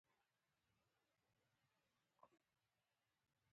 احمد مې د زړه ملحم دی، په لیدو باندې یې رغېږم.